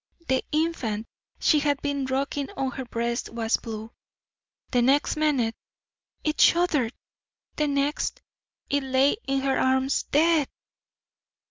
The infant she had been rocking on her breast was blue; the next minute it shuddered; the next it lay in her arms DEAD!